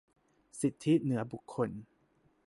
สิทธิเหนือบุคคล